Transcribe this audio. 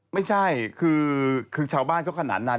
ไม่ใช่คือชาวบ้านเขาขนาดนั้น